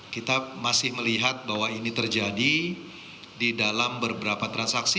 kita masih melihat bahwa ini terjadi di dalam beberapa transaksi